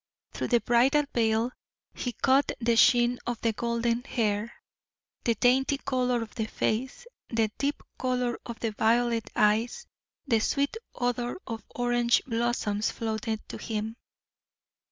Through the bridal veil he caught the sheen of the golden hair the dainty color of the face the deep color of the violet eyes. The sweet odor of orange blossoms floated to him.